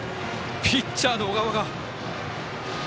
ピッチャーの小川が。